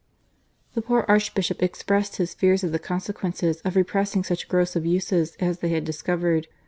The poor Archbishop expressed his fears at the consequences of repressing such gross abuses as they had discovered.